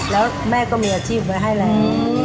แล้วแม่ก็มีอาชีพไว้ให้แล้ว